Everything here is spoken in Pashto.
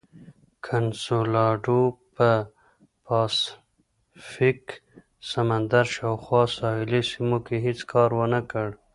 کنسولاډو په پاسفیک سمندر شاوخوا ساحلي سیمو کې هېڅ کار ونه کړ.